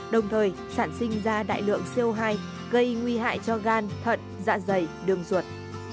đồng thời sản sinh ra đại lượng co hai gây nguy hại cho gan thận dạ dày đường ruột